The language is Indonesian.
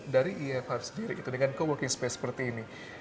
dari ev hive sendiri dengan coworking space seperti ini